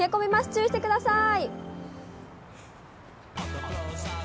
注意してください。